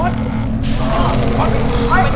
ระวังกว่า